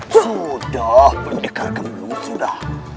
sudah pendekar kembar sudah